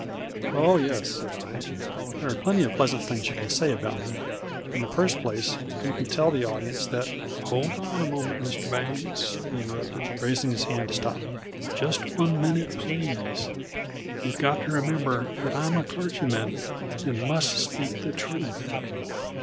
"Oh, yes," said I, "there are plenty of pleasant things you can say about me. In the first place, you can tell that audience that " "Hold on a moment, Mr. Bangs," he interrupted, raising his hand to stop me. "Just one minute, please! _You've got to remember that I am a clergyman and must speak the truth!